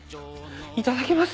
いただきます。